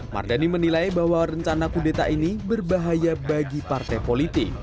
mardani menilai bahwa rencana kudeta ini berbahaya bagi partai politik